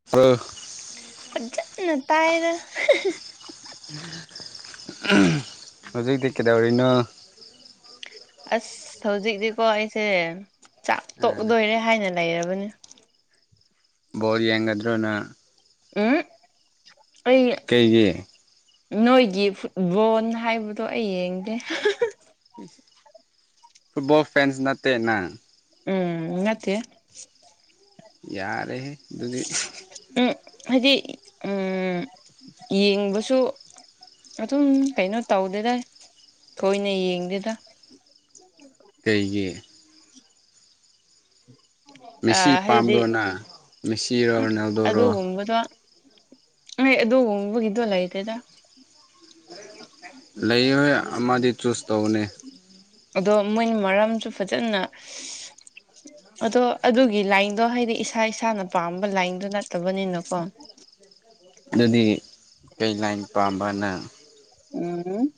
[unintelligible] ꯐꯖꯅ ꯇꯥꯏꯗ ꯍꯧꯖꯤꯛꯇꯤ ꯀꯩꯗꯧꯔꯤꯅꯣ ꯑꯁ ꯍꯧꯖꯤꯛꯇꯤꯀꯣ ꯑꯩꯁꯦ ꯆꯥꯛ ꯇꯣꯛꯗꯣꯏꯔꯦ ꯍꯥꯏꯅ ꯂꯩꯔꯕꯅꯤ ꯣꯔ ꯌꯦꯡꯗ꯭ꯔꯣꯅ ꯎꯝ ꯑꯩ ꯀꯩꯒꯤꯦ ꯅꯣꯏꯒꯤ ꯐꯨꯠꯕꯣꯜ ꯍꯥꯏꯕꯗꯣ ꯑꯩ ꯌꯦꯡꯗꯦ ꯐꯨꯠꯕꯜ ꯐꯦꯟꯁ ꯅꯇꯅꯪ ꯎꯝ ꯉꯠꯇꯦ ꯌꯥꯔꯦꯍꯦ ꯑꯗꯨꯗꯨꯗꯤ ꯎꯝ ꯍꯥꯏꯗꯤ ꯎꯝ ꯌꯦꯡꯕꯁꯨ ꯑꯗꯨꯝ ꯀꯩꯅꯣ ꯇꯧꯗꯦꯗ ꯊꯣꯏꯅ ꯌꯦꯡꯗꯦꯗ ꯀꯩꯒꯤ ꯑ ꯃꯦꯁꯤ ꯍꯥꯏꯗꯤ ꯄꯥꯝꯕ꯭ꯔꯣ ꯅꯪ ꯃꯦꯁꯤꯔꯣ ꯔꯣꯅꯥꯜꯗꯣꯔꯣ ꯑꯗꯨꯒꯨꯝꯕꯗꯣ ꯑ ꯑꯗꯨꯗꯒꯗꯑꯂ ꯑꯇꯗ ꯂꯩꯣꯏ ꯑꯃꯗꯤ ꯆꯨꯁ ꯇꯧꯅꯦ ꯑꯗꯣ ꯃꯣꯏꯅ ꯃꯔꯝꯁꯨ ꯐꯖꯅ ꯑꯗꯣ ꯑꯗꯨꯒꯤ ꯂꯥꯏꯟꯗꯣ ꯍꯥꯏꯗꯤ ꯏꯁꯥ ꯏꯁꯥꯅ ꯄꯥꯝꯕ ꯂꯥꯏꯟꯗꯣ ꯅꯠꯇꯕꯅꯤꯅꯀꯣ ꯑꯗꯨꯗꯤ ꯀꯩ ꯂꯥꯏꯟ ꯄꯥꯝꯕꯅ ꯎꯝ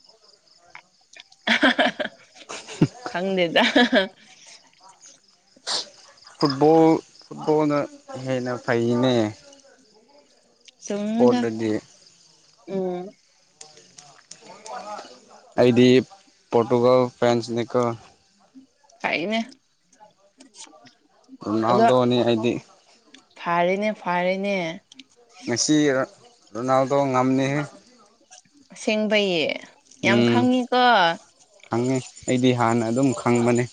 ꯈꯪꯗꯦꯖ ꯐꯨꯠꯕꯣꯜ ꯐꯨꯠꯕꯣꯜꯅ ꯍꯦꯟꯅ ꯐꯩꯅꯦ ꯆꯨꯡꯗ ꯏꯁꯄꯣꯔꯠꯇꯗꯤ ꯎꯝ ꯍ ꯀ ꯑꯩꯗꯤ ꯄꯣꯣꯔꯇꯨꯒꯜ ꯐ꯭ꯔꯦꯟꯁꯅꯤꯀꯣ ꯍꯥꯏꯅꯦ ꯎꯅꯥꯜꯗ ꯍꯥꯏꯗꯤ ꯐꯥꯔꯦꯅꯦ ꯐꯥꯔꯦꯅꯦ ꯉꯁꯤ ꯔꯣꯅꯥꯜꯗꯣ ꯉꯝꯅꯤ ꯑꯁꯦꯡꯕꯩꯌꯦ ꯌꯥꯝ ꯎꯝ ꯈꯪꯉꯤꯀꯣ ꯈꯪꯉꯦ ꯑꯩꯗꯤ ꯍꯥꯟꯅ ꯑꯗꯨꯝ ꯈꯪꯕꯅꯦ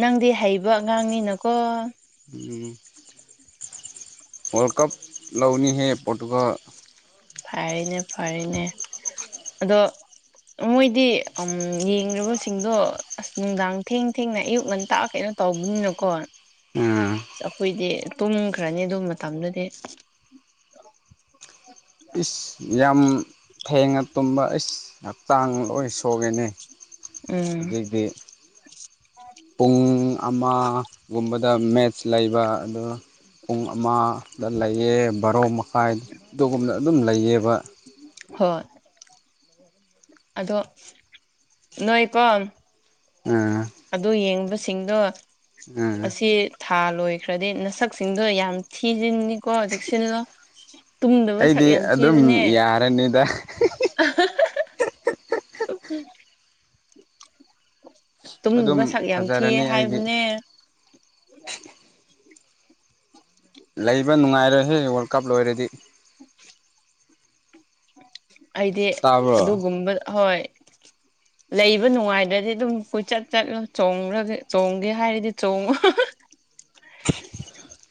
ꯅꯪꯗꯤ ꯍꯩꯕ ꯑꯉꯥꯡꯅꯤꯅꯀꯣ ꯎꯝ ꯋꯥꯔꯜ ꯀꯞ ꯂꯧꯅꯤꯍꯦ ꯄꯣꯇꯨꯒ ꯐꯔꯦꯅꯦ ꯐꯔꯅꯦ ꯑꯗꯣ ꯃꯣꯏꯗꯤ ꯎꯝ ꯌꯦꯡꯨꯕꯁꯤꯡꯗꯣ ꯑꯁ ꯅꯨꯡꯗꯥꯡ ꯊꯦꯡ ꯊꯦꯡꯅ ꯑꯌꯨꯛ ꯉꯟ ꯇꯥꯛ ꯀꯩꯅꯣ ꯇꯧꯕꯅꯤꯅꯀꯣ ꯎꯝ ꯑꯩꯈꯣꯏꯗꯤ ꯇꯨꯝꯈ꯭ꯔꯅꯤ ꯑꯗꯨꯝ ꯃꯇꯝꯗꯨꯗꯤ ꯏꯁ ꯌꯥꯝ ꯊꯦꯡꯅ ꯇꯨꯝꯕ ꯏꯁ ꯍꯛꯆꯥꯡ ꯂꯣꯏ ꯁꯣꯛꯒꯦꯅꯦ ꯎꯝ ꯍꯧꯗꯤ ꯄꯨꯡ ꯑꯃꯒꯨꯝꯕꯗ ꯃꯦꯠꯆ ꯂꯩꯕ ꯑꯗꯨ ꯄꯨꯡ ꯑꯃ ꯗ ꯂꯩꯑ ꯕꯥꯔꯣ ꯃꯈꯥꯏ ꯑꯗꯨꯒꯨꯝꯕꯅ ꯑꯗꯨꯝ ꯂꯩꯑꯕ ꯍꯣꯏ ꯑꯗꯣ ꯅꯣꯏꯀꯣ ꯎꯝ ꯑꯗꯨ ꯌꯦꯡꯕꯁꯤꯡꯗꯣ ꯎꯝ ꯑꯁꯤ ꯊꯥ ꯂꯣꯏꯈ꯭ꯔꯗꯤ ꯅꯁꯛꯁꯤꯡꯗꯣ ꯌꯥꯝ ꯊꯤꯖꯤꯟꯅꯤꯀꯣ ꯍꯧꯖꯤꯛ ꯁꯤꯜꯂꯣ ꯇꯨꯝꯗꯕ ꯁꯛ ꯑꯩꯗꯤ ꯌꯥꯝ ꯑꯗꯨꯝ ꯊꯤꯕꯅꯦ ꯌꯥꯔꯅꯤꯗ ꯇꯨꯝ ꯑꯗꯨꯝ ꯃꯁꯛ ꯌꯥꯝ ꯊꯤꯌꯦ ꯐꯖꯔꯅꯤ ꯑꯩꯗꯤ ꯍꯥꯏꯕꯅꯦ [unintelligible] ꯂꯩꯕ ꯅꯨꯡꯉꯥꯏꯔꯍꯦ ꯋꯥꯔꯜ ꯀꯞ ꯂꯣꯏꯔꯗꯤ [inaudible] ꯑꯩꯗꯤ ꯇꯥꯕ꯭ꯔꯣ ꯑꯗꯨꯒꯨꯝꯕ ꯍꯣꯏ [inaudible] ꯂꯩꯕ ꯅꯨꯡꯉꯥꯏꯗ꯭ꯔꯗꯤ ꯑꯗꯨꯝ ꯀꯣꯏꯆꯠ ꯆꯠꯂꯣ ꯆꯣꯡꯒ ꯆꯣꯡꯒꯦ ꯍꯥꯏꯔꯗꯤ ꯆꯣꯡꯉꯨ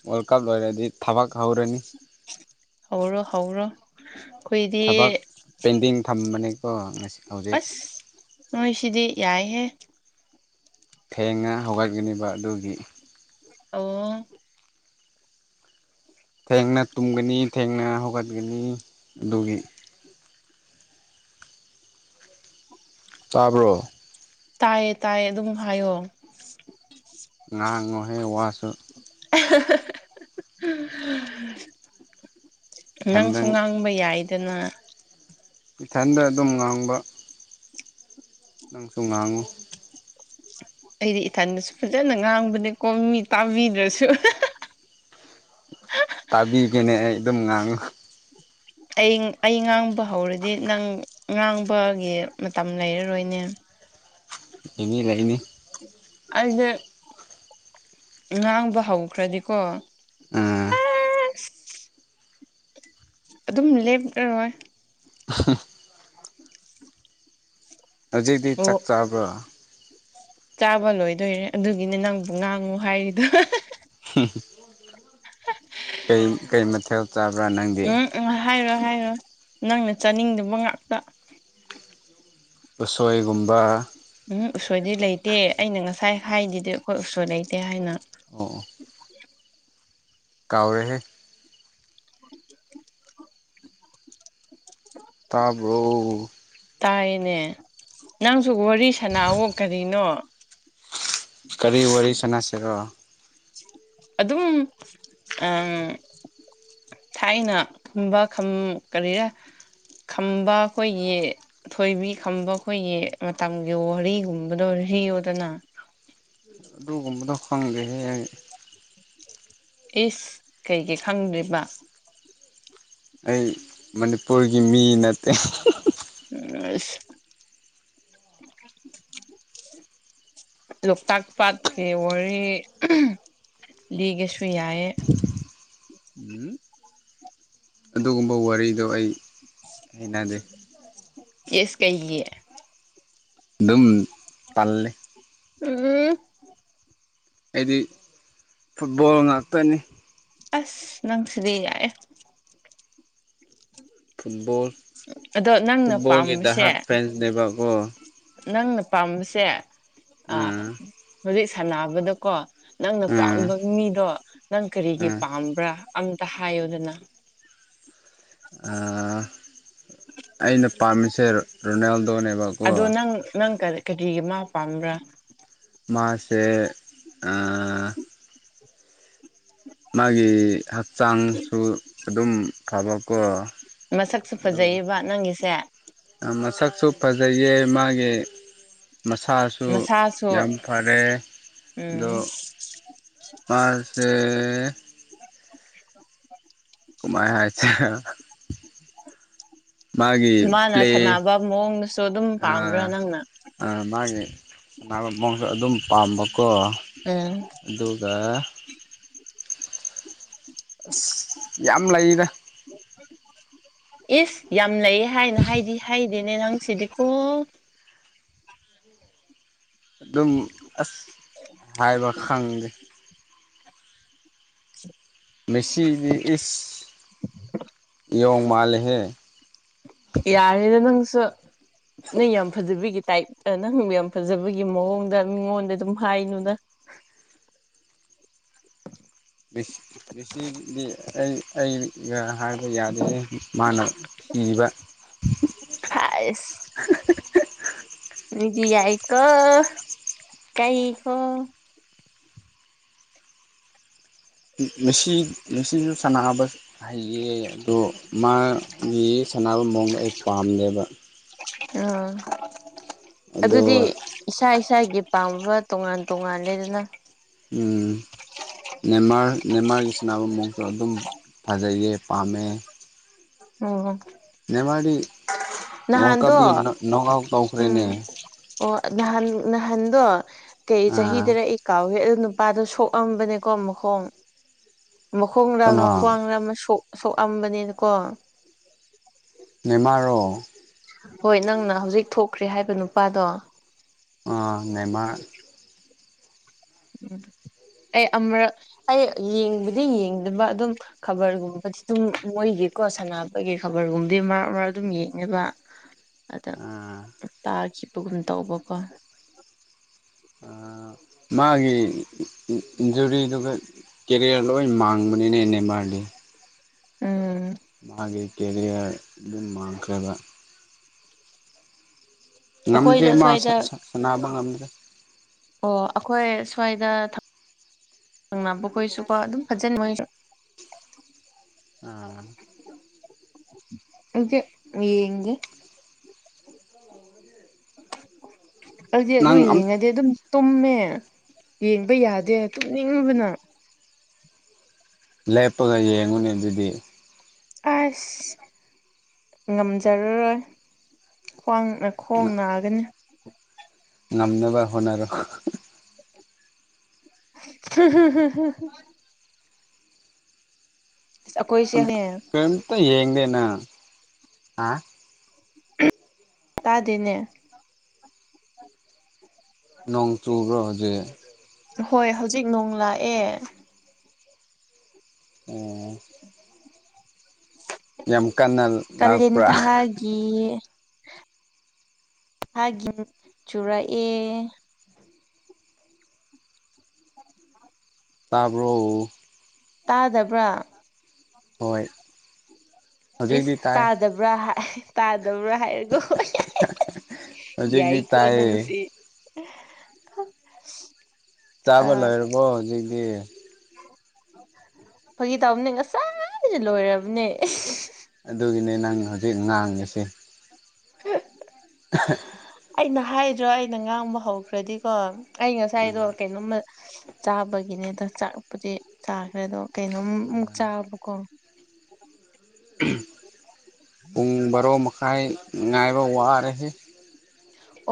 ꯋꯥꯔꯜ ꯀꯞ ꯂꯣꯏꯔꯗꯤ ꯊꯕꯛ ꯍꯧꯔꯅꯤ ꯍꯧꯔꯣ ꯍꯧꯔꯣ ꯑꯩꯈꯏꯗꯤ ꯄꯦꯟꯇꯤꯡ ꯊꯝ ꯃꯅꯦ ꯍ ꯉꯁꯤ ꯍꯧꯖꯤꯛ ꯑꯁ ꯅꯣꯏꯁꯤꯗꯤ ꯌꯥꯏꯍꯦ ꯐꯦꯡꯉ ꯍꯧꯒꯠꯒꯅꯤꯕ ꯑꯗꯨꯒꯤ ꯑꯣ ꯊꯦꯡꯅ ꯇꯨꯝꯒꯅꯤ ꯊꯦꯡꯅ ꯍꯧꯒꯠꯒꯅꯤ ꯑꯗꯨꯒꯤ ꯇꯥꯕ꯭ꯔꯣ ꯇꯥꯏꯌꯦ ꯇꯥꯏꯌꯦ ꯑꯗꯨꯝ ꯍꯥꯏꯌꯣ ꯉꯥꯡꯉꯣꯍꯩ ꯋꯥꯁꯨ ꯅꯪ ꯏꯊꯟꯗ ꯁꯨꯝꯉꯥꯡ ꯈꯪꯕ ꯌꯥꯏꯗꯅ ꯏꯊꯟꯗ ꯑꯗꯨꯝ ꯉꯥꯡꯕ ꯅꯪ ꯁꯣꯡꯅꯉꯣ ꯑꯩꯗꯤ ꯏꯊꯟꯗꯁꯨ ꯐꯖꯅ ꯉꯥꯡꯕꯅꯦ ꯀꯣꯝꯃꯤ ꯇꯥꯕꯤꯗ꯭ꯔꯁꯨ ꯇꯥꯕꯤꯒꯦꯅꯦ ꯑꯩ ꯑꯗꯨꯝ ꯉꯥꯡꯉꯨ ꯑꯩ ꯑꯩ ꯉꯥꯡꯕ ꯍꯧꯔꯗꯤ ꯅꯪ ꯉꯥꯡꯕꯒꯤ ꯃꯇꯝ ꯂꯩꯔꯔꯣꯏꯅꯦ ꯏꯅꯦ ꯂꯩꯥꯏꯅꯦ ꯑꯩꯁ ꯉꯥꯡꯕ ꯍꯧꯈ꯭ꯔꯗꯤꯀꯣ ꯑꯥ ꯑꯁ ꯑꯗꯨꯝ ꯂꯦꯞꯔꯣꯏ [unintelligible] ꯍꯧꯖꯤꯛꯇꯤ ꯆꯥꯛ ꯑꯣ ꯆꯥꯕ꯭ꯔꯣ ꯆꯥꯕ ꯂꯣꯏꯗꯣꯏꯔꯦ ꯑꯗꯨꯒꯤꯅꯦ ꯅꯪꯕꯨ ꯉꯥꯡꯉꯨ ꯍꯥꯏꯔꯤꯗꯣ ꯀꯩ ꯃꯊꯊꯧ ꯆꯥꯕ꯭ꯔꯥ ꯅꯪꯗꯤ ꯑ ꯍꯥꯏꯔꯣ ꯍꯥꯏꯔꯣ ꯅꯪꯅ ꯆꯥꯅꯤꯡꯗꯕ ꯉꯥꯛꯇ ꯎꯕꯁꯣꯏꯒꯨꯝꯕ ꯎꯝ ꯎꯁꯣꯏꯗꯤ ꯂꯩꯇꯦ ꯑꯩꯅ ꯉꯁꯥꯏ ꯍꯥꯏꯗꯤꯗꯤ ꯑꯩꯈꯣꯏ ꯎꯁꯣꯏ ꯂꯩꯇꯦ ꯍꯥꯏꯅ ꯑꯣ ꯑꯣ ꯀꯥꯎꯔꯦꯍꯦ [unintelligible] ꯇꯥꯕ꯭ꯔꯣ ꯇꯥꯏꯌꯦꯃꯤ ꯅꯪꯁꯨ ꯋꯥꯔꯤ ꯁꯅꯥꯑꯣ ꯀꯔꯤꯅꯣ ꯀꯔꯤ ꯋꯥꯔꯤꯔꯤ ꯁꯅꯁꯤꯔꯣ ꯑꯗꯨꯝ ꯊꯥꯏꯅ ꯈꯝꯕ ꯀꯔꯤꯔ ꯈꯝꯕ ꯑꯩꯈꯣꯏꯒꯤ ꯊꯣꯏꯕꯤ ꯈꯝꯕ ꯑꯩꯈꯣꯏꯒꯤ ꯃꯇꯝꯒꯤ ꯋꯥꯔꯤꯒꯨꯝꯕꯗꯣ ꯂꯤꯌꯣꯗꯅꯥ ꯣ [inaudible] ꯑꯗꯨꯒꯨꯝꯕꯗ ꯍꯪꯗꯦꯍꯦ [inaudible] ꯏꯁ ꯀꯩꯒꯤ ꯈꯪꯗ꯭ꯔꯤꯕ ꯑꯩ ꯃꯅꯤꯄꯨꯔꯒꯤ ꯃꯤ ꯅꯠꯇꯦ ꯑꯁ [inaudible] ꯂꯣꯛꯇꯥꯛ ꯄꯥꯠꯀꯤ ꯋꯥꯔꯤ ꯂꯤꯒꯁꯨ ꯌꯥꯏ ꯎꯝ ꯑꯗꯨꯒꯨꯝꯕ ꯋꯥꯔꯤꯗꯣ ꯑꯩ ꯍꯩꯅꯗꯦ ꯑꯩꯁ ꯀꯩꯒꯤ ꯑꯗꯨꯝ ꯇꯜꯂꯦ ꯎꯝ [inaudible] ꯑꯩꯗꯤ ꯐꯨꯠꯕꯣꯜ ꯉꯥꯛꯇꯅꯤ ꯑꯁ ꯅꯪꯁꯤꯗꯤ ꯌꯥꯏꯍꯦ ꯐꯨꯠꯕꯜ ꯑꯗꯣ ꯅꯪꯅ ꯐꯨꯠꯕꯣꯜꯒꯤ ꯄꯥꯝꯕꯁꯦ ꯗꯍꯠ ꯐꯦꯟꯁ ꯗꯦꯕ ꯀꯧꯕꯣ ꯅꯪꯅ ꯄꯥꯝꯕꯁꯦ ꯎꯝ ꯍꯧꯖꯤꯛ ꯁꯥꯟꯅꯕꯗꯀꯣ ꯅꯪꯅ ꯎꯝ ꯄꯥꯝꯕ ꯃꯤꯗꯣ ꯅꯪ ꯀꯔꯤꯒꯤ ꯎꯝ ꯄꯥꯝꯕ꯭ꯔꯥ ꯑꯝꯇ ꯍꯥꯏꯌꯣꯗꯅ ꯑꯩꯅ ꯄꯥꯝꯃꯤꯁꯦ ꯔꯣꯅꯥꯜꯗꯣꯅꯦꯕ ꯑꯗꯣ ꯅꯪ ꯅꯪ ꯀꯔꯤꯒꯤ ꯃꯥ ꯄꯥꯝꯕ꯭ꯔꯥ ꯃꯥꯁꯦ ꯑꯥ ꯃꯥꯒꯤ ꯍꯛꯆꯥꯡꯁꯨ ꯑꯗꯨꯝ ꯐꯕꯀꯣ ꯃꯁꯛꯁꯨ ꯑꯗꯨꯒ ꯐꯖꯩꯌꯦꯕ ꯅꯪꯒꯤꯁꯦ ꯃꯁꯛꯁꯨ ꯐꯖꯩꯌꯦ ꯃꯥꯒꯤ ꯃꯁꯥꯁꯨ ꯃꯁꯥꯁꯨ ꯌꯥꯝ ꯐꯔꯦ ꯎꯝ ꯑꯗꯣ ꯃꯥ ꯁ [inaudible] ꯀꯨꯃꯥꯏ ꯍꯥꯏꯁꯤꯔ ꯃꯥꯒꯤ ꯃꯥꯅ ꯄ꯭ꯂꯦ ꯁꯥꯟꯅꯕ ꯃꯑꯣꯡꯗꯁꯨ ꯑꯗꯨꯝ ꯄꯥꯝꯕ꯭ꯔꯥ ꯑꯥ ꯅꯪꯅ ꯃꯥꯒꯤ ꯁꯅꯥꯕ ꯃꯑꯣꯡꯁꯨ ꯑꯗꯨꯝ ꯄꯥꯝꯕꯀꯣ ꯎꯝ ꯑꯗꯨꯒ ꯑꯁ ꯌꯥꯝ ꯂꯩꯗ ꯏꯁꯁ ꯌꯥꯝ ꯂꯩꯌꯦ ꯍꯥꯏꯅ ꯍꯥꯏꯗꯤ ꯍꯥꯏꯗꯤ ꯑꯗꯨꯅꯦ ꯅꯪ ꯁꯤꯗꯤ ꯀꯣ ꯑꯗꯨꯝ ꯑꯁ ꯍꯥꯏꯕ ꯈꯪꯗꯦ ꯃꯤꯁꯤꯗꯤ ꯏꯁ ꯌꯣꯡ ꯃꯜꯂꯤꯍꯦ ꯌꯥꯔꯦꯗ ꯅꯪꯁꯨ ꯅꯪ ꯌꯥꯝ ꯐꯖꯕꯤꯒꯤ ꯇꯥꯏꯞ ꯅꯪ ꯌꯥꯝ ꯐꯖꯕꯒꯤ ꯃꯑꯣꯡꯗ ꯃꯤꯉꯣꯟꯗ ꯑꯗꯨꯝ ꯍꯥꯏꯅꯨꯅ ꯁ [inaudible] ꯃꯤꯁꯤꯗꯤ ꯑꯩ ꯑꯩꯒ ꯍꯥꯏꯕ ꯌꯥꯗꯦꯍꯦ ꯃꯥꯅ ꯀꯤꯕ ꯍꯥꯏꯁ [inaudible] ꯃꯤꯗꯤ ꯌꯥꯏꯀꯣ ꯀꯛꯏꯀꯣ ꯃꯤꯁꯤ ꯃꯤꯁꯤꯁꯨ ꯁꯥꯟꯅꯕ ꯍꯩꯌꯦ ꯑꯗꯣ ꯃꯥꯒꯤ ꯁꯥꯟꯅꯕ ꯃꯑꯣꯡꯗꯣ ꯑꯩ ꯄꯥꯝꯗꯦꯕ ꯎ ꯑꯗꯣ ꯑꯗꯨꯗꯤ ꯏꯁꯥ ꯏꯁꯥꯒꯤ ꯄꯥꯝꯕ ꯇꯣꯉꯥꯟ ꯇꯣꯉꯥꯟ ꯂꯩꯗꯅ ꯎ ꯅꯦꯝꯃꯥꯔ ꯅꯦꯝꯃꯥꯔꯒꯤ ꯁꯅꯕ ꯃꯑꯣꯡꯁꯨ ꯑꯗꯨꯝ ꯐꯖꯩꯌꯦ ꯄꯥꯥꯝꯃꯦ ꯎꯝ ꯅꯦꯃꯗꯤ ꯋꯥꯔꯜ ꯅꯍꯥꯟꯗꯣ ꯀꯞꯒꯤ ꯅꯒꯥꯎ ꯇ ꯎꯈ꯭ꯔꯦꯅꯦ ꯎꯝ ꯑꯣ ꯅꯍꯥꯟ ꯅꯍꯥꯟꯗꯣ ꯀꯩ ꯆꯍꯤꯗꯔ ꯀꯥꯎꯏ ꯑꯗꯨ ꯅꯨꯄꯥꯗꯣ ꯁꯣꯛꯑꯝꯕꯅꯦꯀꯣ ꯃꯈꯣꯡ ꯃꯈꯣꯡꯗ ꯑꯃ ꯀꯩꯅꯣ ꯈ꯭ꯋꯥꯡꯗ ꯑꯃ ꯁꯣꯛꯑꯝꯕꯅꯤꯅꯀꯣ ꯅꯦꯃꯔꯣ ꯍꯣꯏ ꯅꯪꯅ ꯍꯧꯖꯤꯛ ꯊꯣꯛꯈ꯭ꯔꯦ ꯍꯥꯏꯕ ꯅꯨꯄꯥꯗꯣ ꯉꯥꯏꯃ ꯎꯝ ꯑꯩ ꯑꯃꯛ ꯑꯩ ꯌꯦꯡꯕꯗꯤ ꯌꯦꯡꯗꯕ ꯑꯗꯨꯝ ꯈꯕꯔꯒꯨꯝꯕꯗꯤ ꯑꯗꯨꯝ ꯃꯣꯏꯒꯤꯀꯣ ꯁꯥꯟꯅꯕꯒꯤ ꯈꯕꯔꯒꯨꯝꯕꯗꯤ ꯃꯔꯛ ꯃꯔꯛ ꯑꯗꯨꯝ ꯌꯦꯡꯅꯕ ꯎꯝ ꯑꯗ ꯇꯥꯈꯤꯕꯒꯨꯝ ꯇꯧꯕꯀꯣ ꯃꯥꯒꯤꯖꯨꯔꯤꯗꯨ ꯀ ꯀꯦꯔꯤꯌꯔ ꯂꯣꯏ ꯃꯥꯡꯕꯅꯤꯅ ꯅꯦꯝ ꯃꯥꯔꯗꯤ ꯎꯝ ꯃꯥꯒꯤ ꯀꯦꯔꯤꯌꯔ ꯑꯗꯨꯝ ꯃꯥꯡꯈ꯭ꯔꯦꯕ ꯉꯝꯗ꯭ꯔꯦ ꯑꯩꯈꯣꯏꯗ ꯃꯥ ꯁ ꯁ꯭ꯋꯥꯏꯗ ꯁꯅꯥꯕ ꯉꯝꯗ꯭ꯔꯦ ꯑꯣ ꯑꯩꯈꯣꯏ ꯁ꯭ꯋꯥꯏꯗ ꯕꯨꯈꯣꯏꯁꯨꯀꯣ ꯑꯗꯨꯝ ꯐꯖꯅ ꯃꯣꯏ ꯑꯥ ꯍꯧ ꯌꯦꯡꯦ ꯦ [unintelligible] ꯑꯩꯗꯤ ꯑꯗꯨ ꯑꯝ ꯌꯦꯡꯉꯗꯤ ꯑꯗꯨꯝ ꯇꯨꯝꯃꯦ ꯌꯦꯡꯕ ꯌꯥꯗꯦ ꯇꯨꯝꯅꯤꯡꯉꯨꯕꯅ ꯂꯦꯞꯄꯒ ꯌꯦꯡꯉꯨꯅꯦ ꯑꯗꯨꯗꯤ ꯑꯁ ꯉꯝꯖꯔꯔꯣꯏ ꯈ꯭ꯋꯥꯡ ꯈꯣꯡ ꯅꯥꯒꯅꯤ ꯉꯝꯅꯕ ꯍꯣꯠꯅꯔ ꯍ ꯍ ꯍ ꯑꯈꯣꯏꯁꯤꯦ ꯍꯥꯏꯦ ꯄꯦꯟꯇ ꯌꯦꯡꯅꯦꯅ ꯑꯇꯥꯗꯤꯅꯦ ꯅꯣꯡ ꯆꯨꯔꯔꯕꯣꯖꯤꯦ ꯍꯣꯏ ꯍꯧꯖꯤꯛ ꯅꯣꯡ ꯂꯥꯛꯑꯦ ꯎ ꯌꯥꯝ ꯀꯟꯅ ꯂꯥꯛꯄ꯭ꯔꯥ ꯍꯥꯏꯦ ꯍꯥꯏ ꯆꯨꯔ ꯑꯦ ꯇꯥꯕ꯭ꯔꯣ ꯇꯥꯗꯕ꯭ꯔꯥ ꯍꯣꯏ ꯍꯧꯖꯤꯛꯇꯤ ꯏꯁꯁ ꯇꯥꯏ ꯇꯥꯗꯕ꯭ꯔꯥ ꯇꯥꯗꯕ꯭ꯔꯥ ꯍꯥꯏꯔꯦꯀꯣ ꯍꯧꯖꯤꯛꯇꯤ ꯌꯥꯏ ꯀꯣ ꯇꯥꯏꯌꯦ ꯅꯪꯁꯤ ꯑ ꯆꯥꯕ ꯂꯩꯣꯏꯔꯕꯣ ꯍꯧꯖꯤꯛꯇꯤ ꯐꯥꯒꯤ ꯇꯥꯕꯅꯦ ꯉꯁꯥꯏꯁꯨ ꯂꯣꯏꯔꯕꯅꯦ ꯑꯗꯨꯒꯤꯅꯦ ꯅꯪ ꯍꯧꯖꯤꯛ ꯉꯥꯡꯉꯁꯤ ꯍ ꯍ ꯑꯩꯅ ꯍꯥꯏꯗ꯭ꯔꯣ ꯑꯩꯅ ꯉꯥꯡꯕ ꯍꯧꯈ꯭ꯔꯗꯤꯀꯣ ꯑꯩ ꯉꯁꯥꯏꯗꯣ ꯀꯩꯅꯣꯝꯃ ꯆꯥꯕꯒꯤꯅꯦ ꯑꯗꯣ ꯆꯥꯛꯄꯨꯗꯤ ꯆꯥꯈ꯭ꯔꯦ ꯑꯗꯣ ꯀꯩꯅꯣꯝꯃꯨꯛ ꯆꯥꯕꯀꯣ ꯄꯨꯡ ꯕꯥꯔꯣ ꯃꯈꯥꯏ ꯉꯥꯏꯕ ꯋꯥꯔꯍꯦ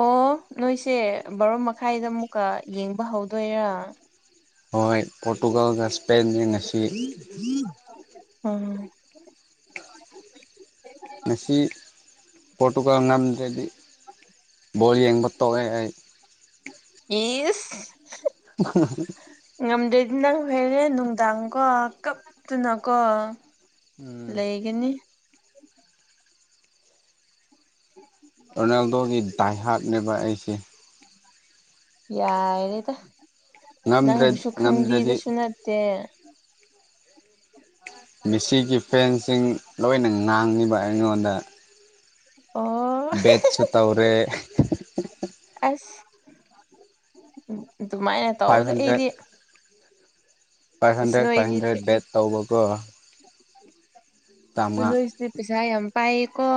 ꯑꯣ ꯅꯣꯏꯁꯦ ꯕꯥꯔꯣ ꯃꯈꯥꯏꯗ ꯑꯃꯨꯛꯀ ꯌꯦꯡꯕ ꯍꯧꯗꯣꯏꯔꯥ ꯍꯣꯏ ꯄꯣꯣꯔꯇꯨꯒꯜꯒ ꯁꯄꯦꯟ ꯁ ꯎꯝ ꯃꯁꯤꯁꯤ ꯐꯣꯇꯨꯀ ꯉꯝꯗ꯭ꯔꯗꯤ ꯕꯣꯜ ꯌꯦꯡꯕ ꯇꯣꯛꯑꯦ ꯑꯩ ꯏꯁ ꯍ ꯉꯝꯗ꯭ꯔꯦꯗꯤ ꯅꯪ ꯐꯩꯔꯦ ꯅꯨꯡꯗꯥꯡ ꯀꯣ ꯀꯞꯇꯅꯀꯣ ꯎꯝ ꯂꯩꯒꯅꯤ ꯎ ꯔꯣꯅꯥꯜꯗꯣꯒꯤ ꯗꯥꯏꯍꯥꯛꯅꯦꯕ ꯑꯩꯁꯦ ꯌꯥꯔꯦꯗ ꯉꯝꯗ꯭ꯔ ꯅꯪꯕꯨꯁꯨ ꯉꯝꯗ꯭ꯔꯗꯤ ꯈꯪꯕꯤꯕꯁꯨ ꯅꯠꯇꯦ ꯃꯤꯁꯤꯒꯤ ꯐꯦꯟꯁꯤꯡ ꯂꯣꯏꯅ ꯉꯥꯡꯉꯤꯕ ꯑꯩꯉꯣꯟꯗ ꯑꯣ ꯕꯠ ꯁꯨ ꯇꯧꯔꯦ ꯑꯁ ꯑꯗꯨꯃꯥꯏꯅ ꯐꯥꯏꯚ ꯇꯧꯕꯗ ꯍꯟꯗ꯭ꯔꯦꯠ ꯑꯩꯗꯤ five hundred five hundred bet ꯇꯧꯕꯀꯣ ꯆꯥꯝꯃꯉꯥ ꯂꯣꯏꯁꯤꯗꯤ ꯄꯩꯁꯥ ꯌꯥꯝ ꯄꯥꯏ ꯀꯣ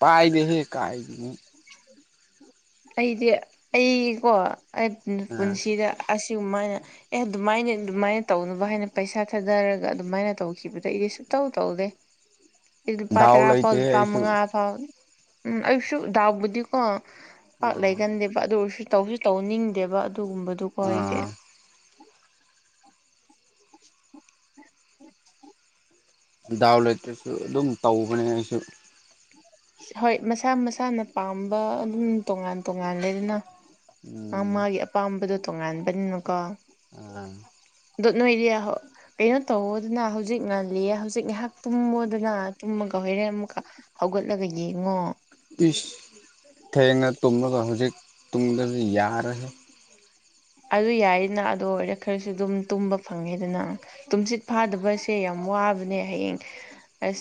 ꯄꯥꯏꯗꯦꯍꯦ ꯀꯥꯏꯗꯩꯅꯣ ꯑꯩꯗꯤ ꯑꯩꯀꯣ ꯑꯩ ꯑ ꯄꯨꯟꯁꯤꯗ ꯑꯁꯤ ꯒꯨꯝꯃꯥꯏꯅ ꯑꯦ ꯑꯗꯨꯃꯥꯏꯅ ꯑꯗꯨꯃꯥꯏꯅ ꯇꯧꯅꯕ ꯍꯥꯏꯅ ꯄꯩꯁꯥ ꯊꯥꯗꯔꯒ ꯑꯗꯨꯃꯥꯏꯅ ꯇꯧꯈꯤꯕꯗ ꯑꯩꯗꯤ ꯁꯨꯇꯧ ꯇꯧꯗꯦ ꯂꯨꯄꯥ ꯗꯥꯎ ꯇꯔꯥꯄꯧ ꯂꯩꯇꯦꯍꯦ ꯂꯨꯄꯥ ꯑꯩꯁꯨ ꯃꯪꯉꯥ ꯎꯝ ꯑꯩꯁꯨ ꯗꯥꯎꯕꯨꯗꯤꯀꯣ ꯄꯥꯛ ꯂꯩꯒꯟꯗꯦꯕ ꯑꯗꯨ ꯑꯣꯏꯔꯁꯨ ꯇꯧꯖꯨ ꯇꯧꯅꯤꯡꯗꯦꯕ ꯑꯗꯨꯒꯨꯝꯕꯗꯨꯀꯣ ꯑꯩꯗꯤ ꯑꯥ [inaudible] ꯗꯥꯎ ꯂꯩꯇ꯭ꯔꯁꯨ ꯑꯗꯨꯝ ꯇꯧꯕꯅꯦ ꯑꯩꯁꯨ ꯍꯣꯏ ꯃꯁꯥ ꯃꯁꯥꯅ ꯄꯥꯝꯕ ꯑꯗꯨꯝ ꯇꯣꯉꯥꯟ ꯇꯣꯉꯥꯟ ꯂꯩꯗꯅ ꯃꯥ ꯎꯝ ꯃꯥꯒꯤ ꯑꯄꯥꯝꯕꯗꯣ ꯇꯣꯉꯥꯟꯕꯅꯤꯅꯀꯣ ꯑꯥ ꯗꯣꯠ ꯅꯣꯏꯔꯤꯌꯥ ꯍꯣ ꯀꯩꯅꯣ ꯇꯧꯋꯣꯗꯅ ꯍꯧꯖꯤꯛ ꯉꯜꯂꯤ ꯍꯧꯖꯤꯛ ꯉꯥꯏꯍꯥꯛ ꯇꯨꯝꯃꯣꯗꯅ ꯇꯨꯝꯃꯒ ꯍꯣꯏꯔꯦꯟ ꯑꯃꯨꯛꯀꯥ [inaudible] ꯍꯧꯒꯠꯂꯒ ꯌꯦꯡꯉꯣ ꯄꯤꯁ ꯊꯦꯡꯅ ꯇꯨꯝꯂꯒ ꯍꯧꯖꯤꯛ ꯇꯨꯝꯗꯗꯤ ꯌꯥꯔꯣꯍꯦ ꯑꯗꯨ ꯌꯥꯏꯅ ꯑꯗꯨ ꯑꯣꯏꯔꯗꯤ ꯈꯔꯁꯨ ꯑꯗꯨꯝ ꯇꯨꯝꯕ ꯐꯪꯉꯦꯗꯅ ꯇꯨꯝꯁꯤꯠ ꯐꯥꯗꯕꯁꯦ ꯌꯥꯝ ꯋꯥꯕꯅꯦ ꯍꯌꯦꯡ ꯑꯁ